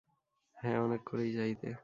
হ্যাঁ, অনেক করেই চাইতে।